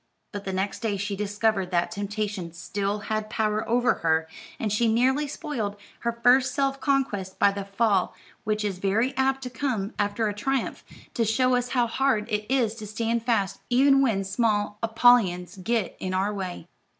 But the next day she discovered that temptation still had power over her, and she nearly spoiled her first self conquest by the fall which is very apt to come after a triumph, to show us how hard it is to stand fast, even when small Apollyons get in our way.